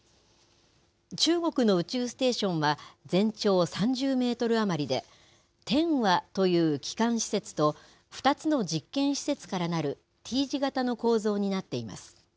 中国の宇宙ステーションは全長３０メートル余りで、天和という基幹施設と、２つの実験施設からなるＴ字型の構造になっています。